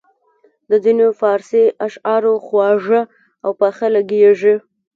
د ځینو فارسي اشعار خواږه او پاخه لګیږي.